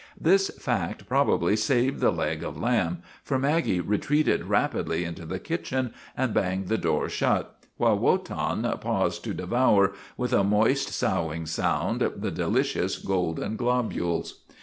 This fact probably saved the leg of lamb, for Maggie retreated rapidly into the kitchen and banged the door shut, while Wotan paused to de vour, with a moist, soughing sound, the delicious golden globules.